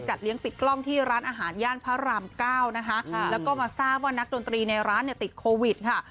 เลี้ยงปิดกล้องที่ร้านอาหารย่านพระรามเก้านะคะแล้วก็มาทราบว่านักดนตรีในร้านเนี่ยติดโควิดค่ะ